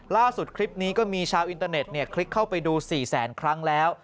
ล่าสุดคลิปนี้ก็มีชาวอินเตอร์เน็ตคลิกเข้าไปดู๔แสนครั้งแล้ว